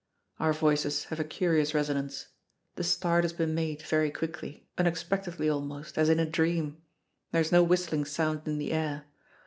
Our voices have a curious resonance. The start has been made very quickly, unexpectedly almost, as in a dream. There is no whistling sound in the air.